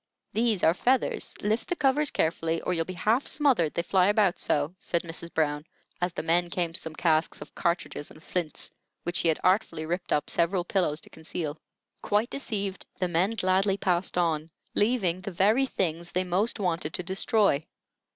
"These are feathers; lift the covers carefully or you'll be half smothered, they fly about so," said Mrs. Brown, as the men came to some casks of cartridges and flints, which she had artfully ripped up several pillows to conceal. Quite deceived, the men gladly passed on, leaving the very things they most wanted to destroy.